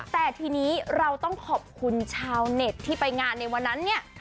แต่ทีนี้เราต้องขอบคุณชาวเน็ตที่ไปงานในวันนั้นเนี่ย